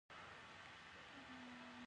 د افغانستان په منظره کې هوا ښکاره ده.